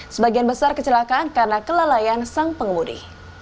sebagian besar kecelakaan karena kelalaian sang pengemudi